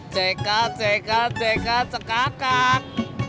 cekak cekak cekak cekakak